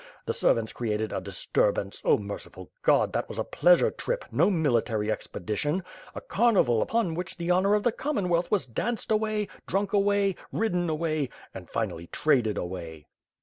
The servants created a disturbance — Oh merciful God, that was a pleasure trip, no military expedition; a carnival upon which the honor of the Commonwealth was danced away, drunk away, ridden away — and, finally, traded away."